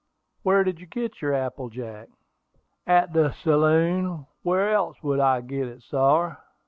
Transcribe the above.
"Where did you get your apple jack?" "At de saloon; where else would I get it, sar?"